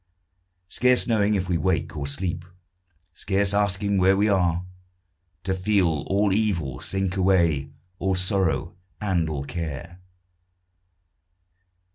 Scarce knowing if we wake or sleep, Scarce asking where we are, To feel all evil sink away, All sorrow and all care.